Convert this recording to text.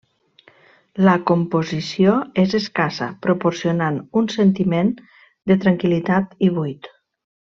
La composició és escassa, proporcionant un sentiment de tranquil·litat i buit.